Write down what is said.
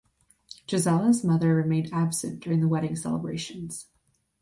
Gisela's mother remained absent during the wedding celebrations.